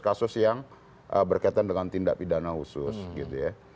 kasus yang berkaitan dengan tindak pidana khusus gitu ya